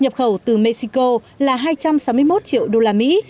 nhập khẩu từ mexico là hai trăm sáu mươi một triệu đô la mỹ